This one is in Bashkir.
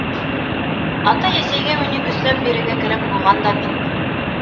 Атай-әсәйгә мине көсләп бирергә кәрәк булған да бит.